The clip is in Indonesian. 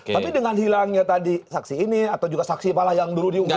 tapi dengan hilangnya tadi saksi ini atau juga saksi malah yang dulu diunggah